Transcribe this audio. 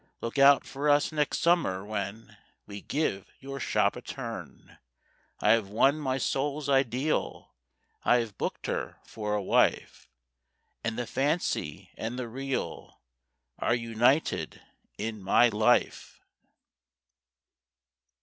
Look out for us next summer, when We give your shop a turn. I have won my soul's ideal, I have booked her for a wife; And the Fancy and the Real Are united in my life.